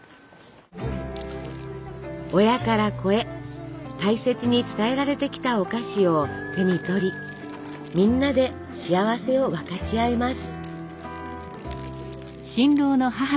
親から子へ大切に伝えられてきたお菓子を手に取りみんなで幸せを分かち合います。